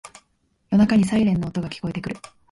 夜中にサイレンの音が聞こえてくる